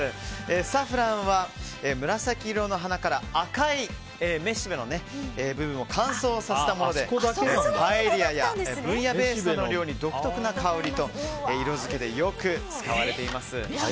サフランは、紫色の花から赤いめしべの部分を乾燥させたもので、パエリアやブイヤベースなどの料理に独特な香りと色付けで使われています。